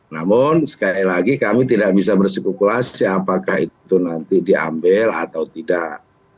namun sekali lagi kami tidak bisa bersikukulasi apakah itu nanti diambil atau tidak